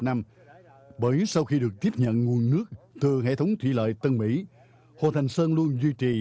năm bởi sau khi được tiếp nhận nguồn nước từ hệ thống thủy lợi tân mỹ hồ thành sơn luôn duy trì